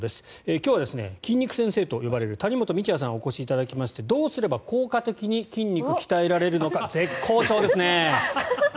今日は筋肉先生と呼ばれる谷本直哉さんにお越しいただきましてどうすれば効果的に筋肉を鍛えられるのか絶好調ですね！